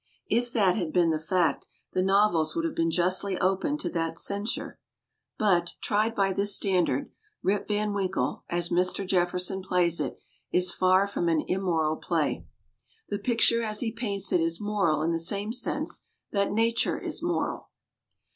If that had been the fact, the novels would have been justly open to that censure. But, tried by this standard, Rip Van Winkle, as Mr. Jefferson plays it, is far from an immoral play. The picture as he paints it is moral in the same sense that nature is moral.